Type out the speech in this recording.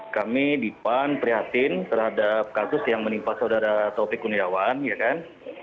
kami di pan prihatin terhadap kasus yang menimpa saudara taufik kuniawan ya kan